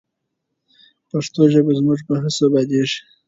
پښتو ژبه زموږ په هڅو ابادیږي.